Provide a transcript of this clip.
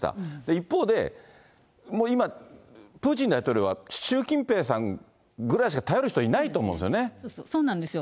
一方で、今、プーチン大統領は習近平さんぐらいしか頼る人いないと思うんですそうなんですよ。